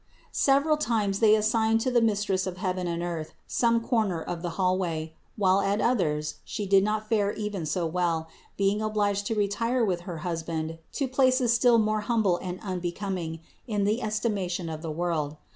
Several times they as signed to the Mistress of heaven and earth some corner of the hallway ; while at others She did not fare even so well, being obliged to retire with her husband to places still more humble and unbecoming in the estimation of the world.